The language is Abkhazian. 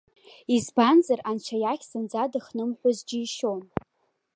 Избанзар, Анцәа иахь зынӡа дыхнымҳәуаз џьишьон.